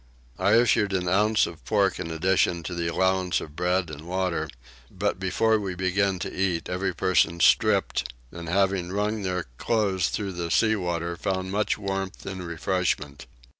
I issued an ounce of pork in addition to the allowance of bread and water; but before we began to eat every person stripped and, having wrung their clothes through the seawater, found much warmth and refreshment.